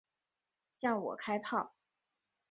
向我开炮！